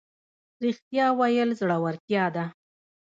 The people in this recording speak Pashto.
ریښتیا ویل زړورتیا ده